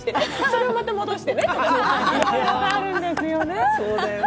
それをまた戻してねとか、よくあるんですよね。